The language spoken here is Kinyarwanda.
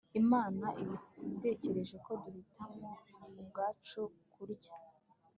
Imana iba itegereje ko duhitamo ubwacu kurya